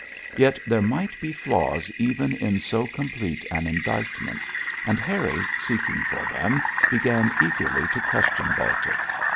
Yet there might be flaws even in so complete an indictment, and Harry, seeking for them, began eagerly to question Baltic.